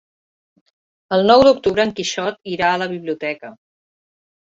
El nou d'octubre en Quixot irà a la biblioteca.